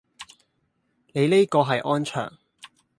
你呢個係安卓